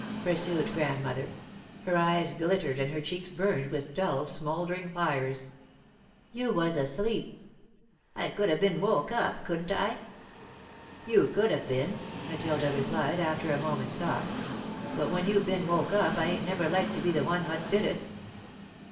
pursued Grandmother. Her eyes glittered and her cheeks burned with dull, smouldering fires. "You was asleep." "I could have been woke up, couldn't I?" "You could have been," Matilda replied, after a moment's thought, "but when you've been woke up I ain't never liked to be the one what did it."